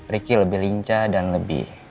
ricky lebih lincah dan lebih